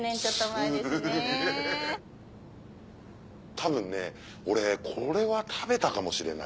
多分俺これは食べたかもしれない。